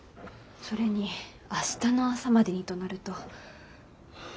それに明日の朝までにとなると。